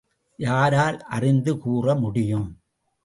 யாரால் அறிந்து கூற முடியும்?